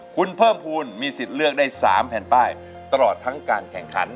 คุณเพิ่มภูมิมีสิทธิ์เลือกได้๓แผ่นป้ายตลอดทั้งการแข่งขัน